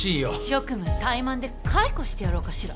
職務怠慢で解雇してやろうかしら。